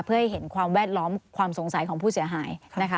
เพื่อให้เห็นความแวดล้อมความสงสัยของผู้เสียหายนะคะ